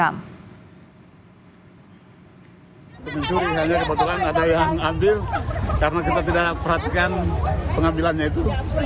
peluncur hanya kebetulan ada yang ambil karena kita tidak perhatikan pengambilannya itu